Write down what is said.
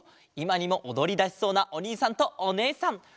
いまにもおどりだしそうなおにいさんとおねえさん！